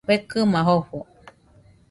Fekɨma jofo.